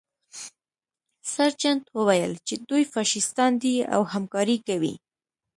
سرجنټ وویل چې دوی فاشیستان دي او همکاري کوي